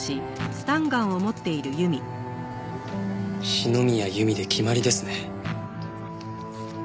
篠宮由美で決まりですね。